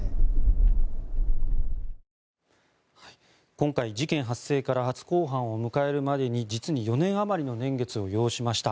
今回、事件発生から初公判を迎えるまでに実に４年あまりの年月を要しました。